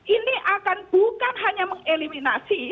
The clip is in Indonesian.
ini akan bukan hanya mengeliminasi